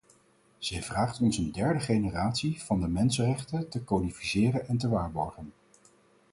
Zij vraagt ons een derde generatie van de mensenrechten te codificeren en te waarborgen.